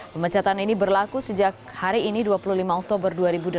pemecatan ini berlaku sejak hari ini dua puluh lima oktober dua ribu delapan belas